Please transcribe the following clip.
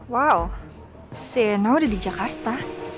wow sienna udah di jakarta